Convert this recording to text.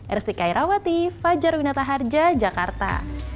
ersikai rawati fajar winata harja jakarta